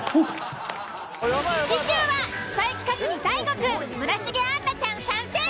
次週はスパイ企画にＤＡＩＧＯくん村重杏奈ちゃん参戦。